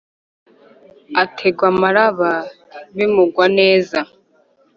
Ategwa amaraba bimugwa neza